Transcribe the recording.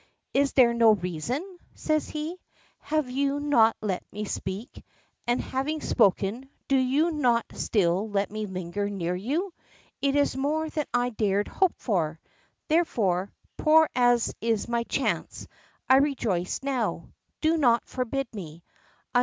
"Is there not reason?" says he. "Have you not let me speak, and having spoken, do you not still let me linger near you? It is more than I dared hope for! Therefore, poor as is my chance, I rejoice now. Do not forbid me.